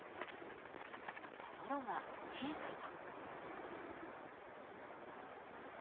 ［ところが陛下は］